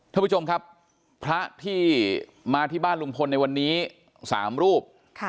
ท่านผู้ชมครับพระที่มาที่บ้านลุงพลในวันนี้๓รูป